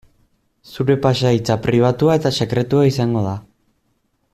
Zure pasahitza pribatua eta sekretua izango da.